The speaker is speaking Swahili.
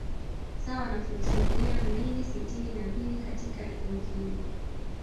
Sawa na futi mia mbili sitini na mbili katika eneo hili